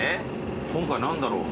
今回何だろう？